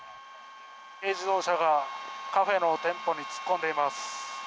軽自動車がカフェの店舗に突っ込んでいます。